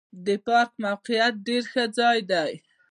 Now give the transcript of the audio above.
د پارک موقعیت ډېر ښه ځای دی.